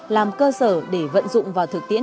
làm cơ sở để vận dụng và thực tiễn